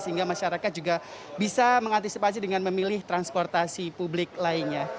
sehingga masyarakat juga bisa mengantisipasi dengan memilih transportasi publik lainnya